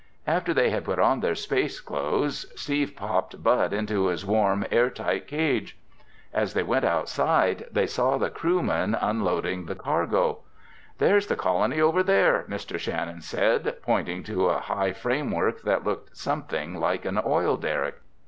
After they had put on their space clothes, Steve popped Bud into his warm, air tight cage. As they all went outside, they saw the crewmen unloading the cargo. "There's the colony over there," Mr. Shannon said, pointing to a high framework that looked something like an oil derrick.